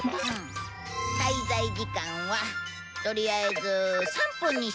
滞在時間はとりあえず３分にしておこう。